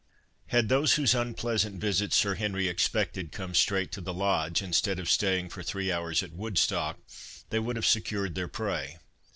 Had those whose unpleasant visit Sir Henry expected come straight to the Lodge, instead of staying for three hours at Woodstock, they would have secured their prey.